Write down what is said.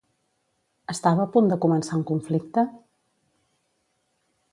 Estava a punt de començar un conflicte?